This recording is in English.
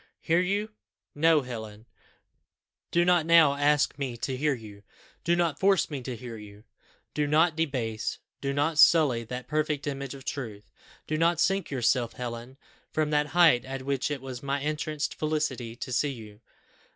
"Hear you? No, Helen, do not now ask me to hear you. Do not force me to hear you. Do not debase, do not sully, that perfect image of truth. Do not sink yourself, Helen, from that height at which it was my entranced felicity to see you.